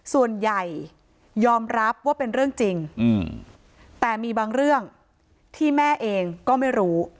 ส่วนใหญ่ยอมรับว่าเป็นเรื่องจริงแต่มีบางเรื่องที่แม่เองก็ไม่รู้